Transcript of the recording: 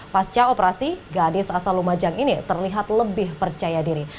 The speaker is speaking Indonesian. pasca operasi gadis asal lumajang ini terlihat lebih percaya diri